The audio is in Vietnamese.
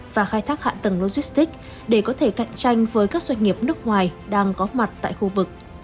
và khai thác hạ tầng logistics để có thể cạnh tranh với các doanh nghiệp nước ngoài đang có mặt tại khu vực